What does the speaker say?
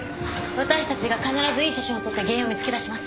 私たちが必ずいい写真を撮って原因を見つけ出します